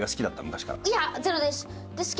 いやゼロです。